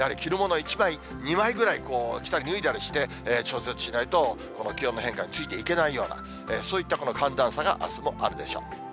１枚、２枚ぐらい、着たり脱いだりして、調節しないと、この気温の変化についていけないような、そういったこの寒暖差があすもあるでしょう。